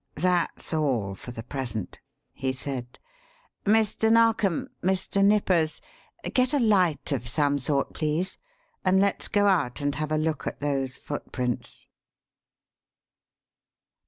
"That's all for the present," he said. "Mr. Narkom, Mr. Nippers get a light of some sort, please, and let's go out and have a look at those footprints."